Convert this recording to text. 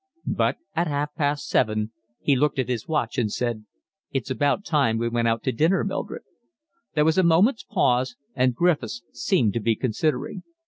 But at half past seven he looked at his watch and said: "It's about time we went out to dinner, Mildred." There was a moment's pause, and Griffiths seemed to be considering.